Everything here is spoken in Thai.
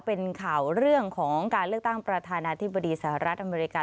เป็นข่าวเรื่องของการเลือกตั้งประธานาธิบดีสหรัฐอเมริกา